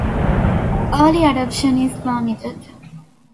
Early adoption is permitted.